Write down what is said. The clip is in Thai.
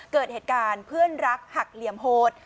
เกิดเหตุการณ์เพื่อนรักหักเหลี่ยมโหด